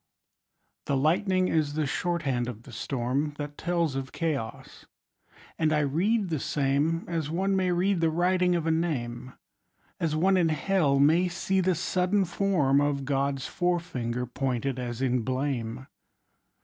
The lightning is the shorthand of the storm That tells of chaos; and I read the same As one may read the writing of a name, As one in Hell may see the sudden form Of God's fore finger pointed as in blame.